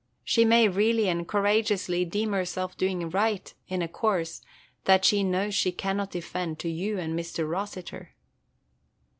She may really and courageously deem herself doing right in a course that she knows she cannot defend to you and Mr. Rossiter."